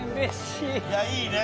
いやいいね！